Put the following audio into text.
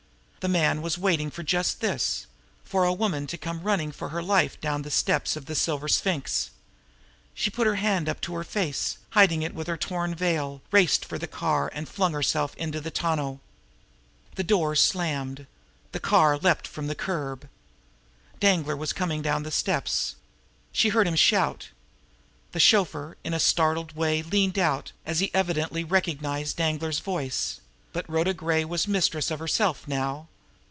The man was waiting for just this for a woman to come running for her life down the steps of the Silver Sphinx. She put her hand up to her face, hiding it with the torn veil, raced for the car, and flung herself into the tonneau. The door slammed. The car leaped from the curb. Danglar was coming down the steps. She heard him shout. The chauffeur, in a startled way, leaned out, as he evidently recognized Danglar's voice but Rhoda Gray was mistress of herself now.